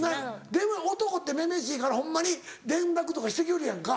でも男って女々しいからホンマに連絡とかしてきよるやんか。